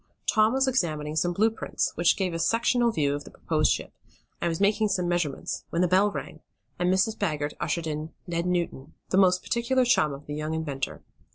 Tom was examining some blue prints, which gave a sectional view of the proposed ship, and was making some measurements when the bell rang, and Mrs. Baggert ushered in Ned Newton, the most particular chum of the young inventor.